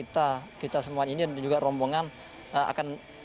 tapi saya mengingat bahwa kita semua ini juga rombongan